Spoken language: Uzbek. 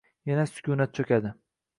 Yana sukunat cho‘kadi.